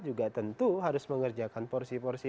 juga tentu harus mengerjakan porsi porsi